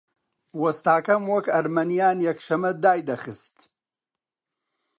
وەستاکەم وەک ئەرمەنییان یەکشەممە دایدەخست